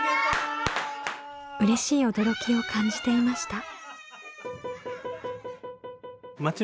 うれしい驚きを感じていました。